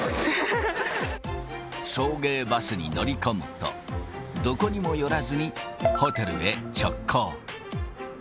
送迎バスに乗り込むと、どこにも寄らずに、ホテルへ直行。